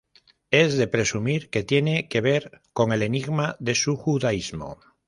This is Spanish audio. Es de presumir que tiene que ver con el enigma de su judaísmo.